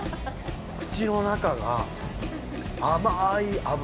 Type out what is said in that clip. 口の中が甘い脂。